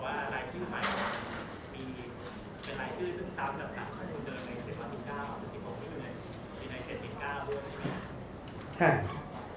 มี๙มี๖มี๗๙บ้างนะครับ